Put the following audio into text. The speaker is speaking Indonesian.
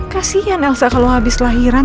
kasian elsa kalau habis lahiran